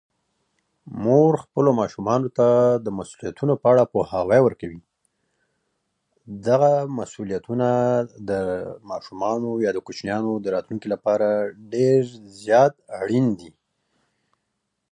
مور د ماشومانو د خپلو مسوولیتونو په اړه پوهه ورکوي.